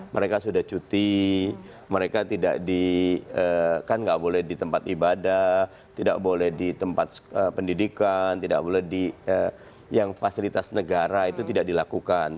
mereka sudah cuti mereka tidak di kan nggak boleh di tempat ibadah tidak boleh di tempat pendidikan tidak boleh di yang fasilitas negara itu tidak dilakukan